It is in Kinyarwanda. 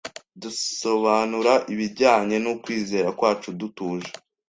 dusobanura ibijyanye n’ukwizera kwacu dutuje